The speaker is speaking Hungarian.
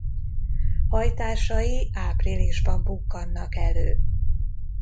Hajtásai áprilisban bukkannak elő.